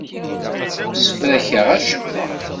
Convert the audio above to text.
Ur ssefrakeɣ acemma.